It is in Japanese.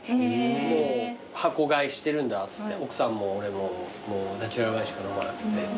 もう箱買いしてるんだっつって奥さんも俺ももうナチュラルワインしか飲まなくてって。